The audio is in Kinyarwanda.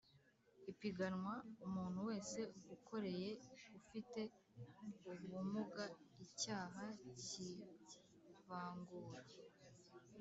ipiganwa. umuntu wese ukoreye ufite ubumuga icyaha k'ivangura